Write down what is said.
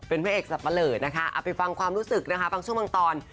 เป็นพระเอกสับปะเหลอนะคะเอาไปฟังความรู้สึกนะคะบางช่วงบางตอน